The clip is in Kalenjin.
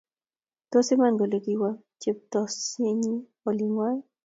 Tos iman kole kiwa cheptosenyi olingwai